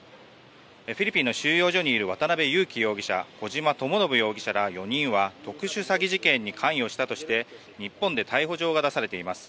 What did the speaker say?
フィリピンの収容所にいる渡邉優樹容疑者小島智信容疑者ら４人は特殊詐欺事件に関与したとして日本で逮捕状が出されています。